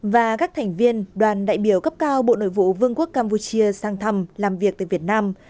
và các thành viên đoàn đại biểu cấp cao bộ nội vụ vương quốc campuchia sang thăm làm việc tại việt nam